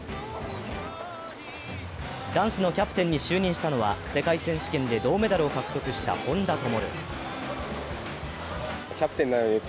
男子のキャプテンに就任したのは、世界選手権で銅メダルを獲得した本多灯。